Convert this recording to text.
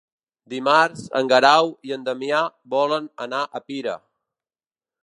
Dimarts en Guerau i en Damià volen anar a Pira.